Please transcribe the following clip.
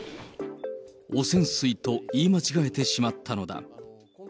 汚染水と言い間違えてしまったのだ。